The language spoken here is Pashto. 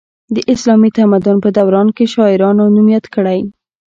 د اسلامي تمدن په دوران کې شاعرانو نوم یاد کړی.